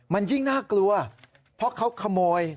มันยิ่งน่ากลัวเพราะเขาขโมย